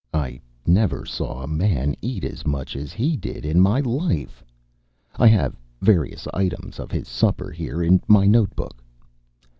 I never saw a man eat as much as he did in my life. I have various items of his supper here in my note book.